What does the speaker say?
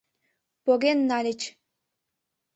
Поген нальыч...